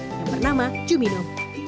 yang bernama jumino